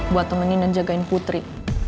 buat temenin dan jagain putri